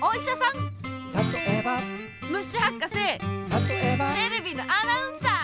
「たとえば」テレビのアナウンサー！